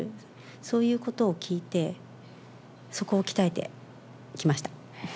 そういうことを聞いて、そこを鍛えてきました。